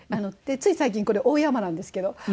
つい最近これ大山なんですけど。